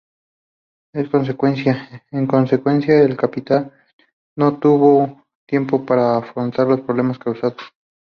En consecuencia, el capitán no tuvo tiempo para afrontar los problemas causados.